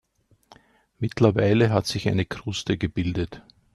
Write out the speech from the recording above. Mittlerweile hat sich eine Kruste gebildet.